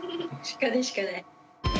シカでしかない。